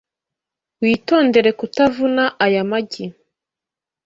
Witondere kutavuna aya magi .